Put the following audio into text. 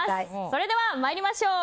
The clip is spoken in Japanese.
それでは参りましょう。